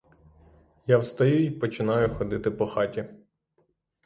Я встаю й починаю ходити по хаті.